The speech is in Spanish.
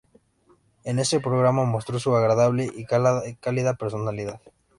En este programa, mostró su agradable y cálida personalidad.